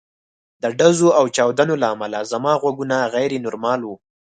د ډزو او چاودنو له امله زما غوږونه غیر نورمال وو